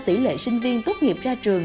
tỷ lệ sinh viên tốt nghiệp ra trường